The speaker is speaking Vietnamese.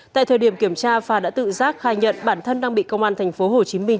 tại thời điểm kiểm tra phà đã tự giác khai nhận bản thân đang bị công an thành phố hồ chí minh